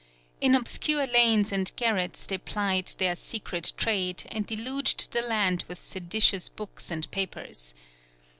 In obscure lanes and garrets they plied their secret trade, and deluged the land with seditious books and papers.